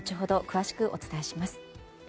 詳しくお伝えします。